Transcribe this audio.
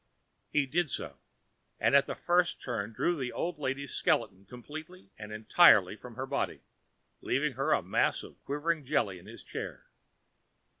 He did so, and at the first turn drew the old lady's skeleton completely and entirely from her body, leaving her a mass of quivering jelly in her chair!